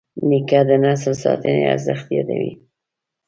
نیکه د نسل ساتنې ارزښت یادوي.